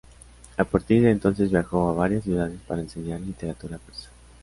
A partir de entonces viajó a varias ciudades para enseñar literatura persa.